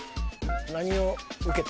何を受けた？